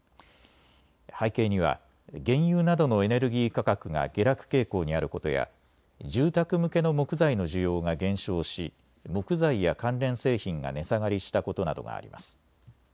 背景には原油などのエネルギー価格が下落傾向にあることや住宅向けの木材の需要が減少し木材や関連製品が値下がりしたことなどがあります。